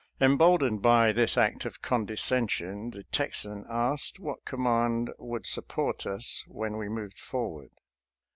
Embold ened by this act of condescension, the Texan asked what command would support us when we moved forward.